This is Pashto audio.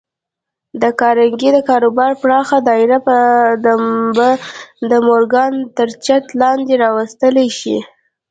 د کارنګي د کاروبار پراخه دايره به د مورګان تر چت لاندې راوستل شي.